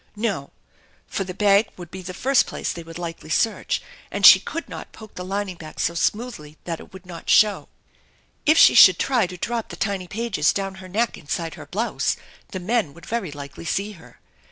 No, for the bag would be the first place they would likely search, and she could not f THE ENCHANTED BARN poke the lining back smoothly so it would not show. If she should try to drop the tiny pages down her neck inside her blouse, the men would very likely see her.